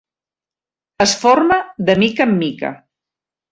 Es forma de mica en mica.